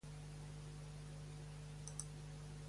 Rosa Sala Rose és una periodista nascuda a Barcelona.